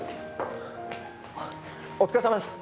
お疲れさまです！